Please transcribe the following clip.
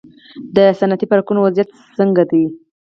د صنعتي پارکونو وضعیت څنګه دی؟